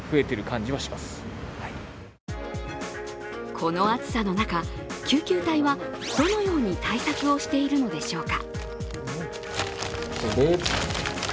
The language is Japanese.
この暑さの中、救急隊はどのように対策をしているのでしょうか？